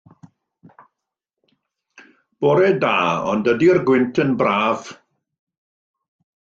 Bore da, o'nd ydi'r gwynt yn braf?